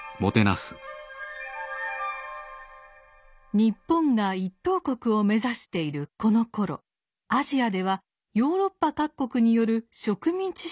日本が一等国を目指しているこのころアジアではヨーロッパ各国による植民地支配が強まっていました。